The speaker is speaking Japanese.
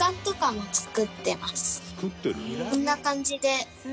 こんな感じで。